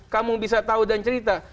kamu bisa tahu dan cerita